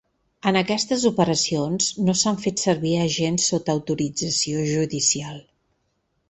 En aquestes operacions no s’han fet servir agents sota autorització judicial.